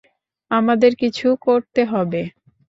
আমাদের কিছু করতে হবে।